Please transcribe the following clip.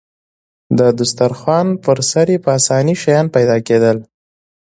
د دسترخوان پر سر يې په اسانۍ شیان پیدا کېدل.